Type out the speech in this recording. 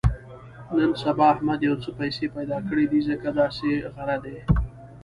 نن سبا احمد یو څه پیسې پیدا کړې دي، ځکه داسې غره دی.